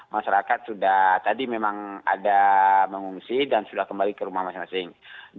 masyarakat sudah tadi memang ada mengungsi dan sudah kembali ke rumah masing masing